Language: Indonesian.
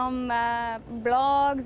penampilan yang bagus